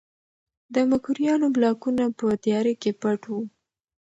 د مکروریانو بلاکونه په تیاره کې پټ وو.